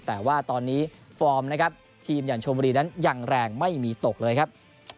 แต่ว่าตอนนี้ฟอร์มนะครับทีมอย่างชมบุรีนั้นยังแรงไม่มีตกเลยครับ